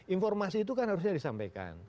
informasi itu kan harusnya disampaikan